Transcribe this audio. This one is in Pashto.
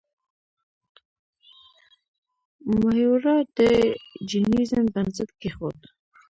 مهایورا د جینیزم بنسټ کیښود.